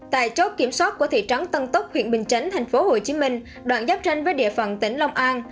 tại chốt kiểm soát của thị trấn tân túc huyện bình chánh tp hcm đoạn giáp tranh với địa phận tỉnh long an